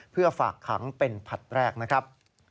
เพื่อฝากขังเป็นผลัดแรกนะครับ